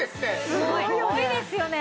すごいですよね。